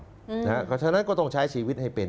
เพราะฉะนั้นก็ต้องใช้ชีวิตให้เป็น